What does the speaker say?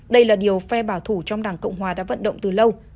đây là điều phe bảo thủ trong đảng cộng hòa đã vận động từ lâu